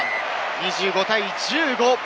２５対１５。